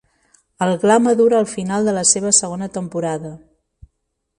El gla madura al final de la seva segona temporada.